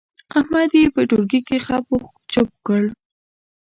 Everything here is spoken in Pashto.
احمد يې په ټولګي کې خپ و چپ کړ.